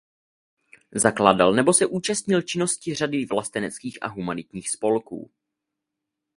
Zakládal nebo se účastnil činnosti řady vlasteneckých a humanitních spolků.